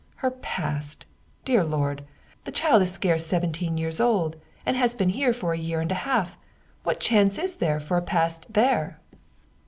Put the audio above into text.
Her past, dear Lord ! The child is scarce seventeen years old, and has been here for a year and a half. What chance is there for a past there?"